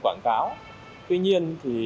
quảng cáo tuy nhiên thì